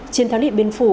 trên tháng điện biên phủ